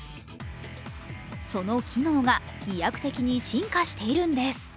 その機能が飛躍的に進化しているんです。